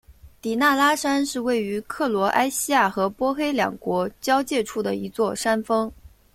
迪纳拉山是位于克罗埃西亚和波黑两国交界处的一座山峰。